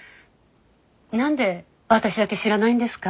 何で私だけ知らないんですか？